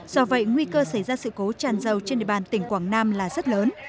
do vậy nguy cơ xảy ra sự cố tràn dầu trên địa bàn tỉnh quảng nam là rất lớn